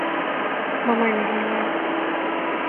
Mama analia